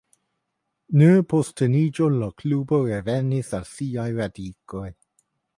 Nur post Turniĝo la klubo revenis al siaj radikoj.